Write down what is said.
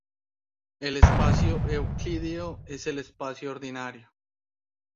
El espacio euclídeo es el espacio ordinario.